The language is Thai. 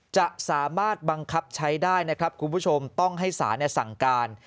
จะสามารถบังคับใช้ได้นะครับคุณผู้ชมต้องให้ศาลสั่งการ